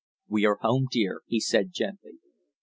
"We are home, dear," he said gently.